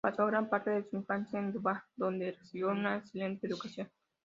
Pasó gran parte de su infancia en Buda, dónde recibió una excelente educación.